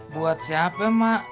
buat siapa mak